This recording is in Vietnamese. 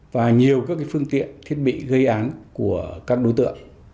và nhiều các phương tiện thiết bị gây án của các đối tượng